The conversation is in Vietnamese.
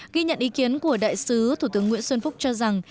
ghi nhận ý kiến của đại sứ thủ tướng nguyễn xuân phúc cho rằng